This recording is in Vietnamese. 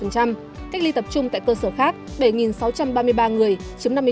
cách ly tập trung tại cơ sở khác bảy sáu trăm ba mươi ba người chiếm năm mươi bốn